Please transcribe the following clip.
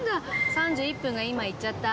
３１分が今行っちゃった。